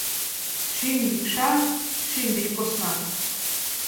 Шӱм йӱкша шӱм деч посна.